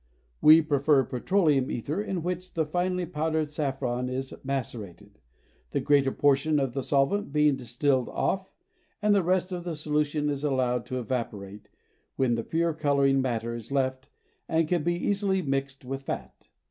We prefer petroleum ether in which the finely powdered saffron is macerated, the greater portion of the solvent being distilled off, and the rest of the solution is allowed to evaporate, when the pure coloring matter is left and can be easily mixed with fat.